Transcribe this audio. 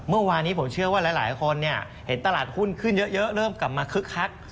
เมื่อวานนี้ผมเชื่อว่าหลายคนเห็นตลาดหุ้นขึ้นเยอะเริ่มกลับมาคึกคัก